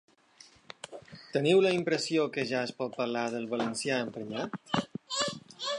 Teniu la impressió que ja es pot parlar del ‘valencià emprenyat’?